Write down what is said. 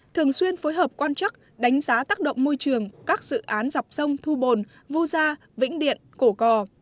thường xuyên phối hợp quan chắc đánh giá tác động môi trường các dự án dọc sông thu bồn vu gia vĩnh điện cổ cò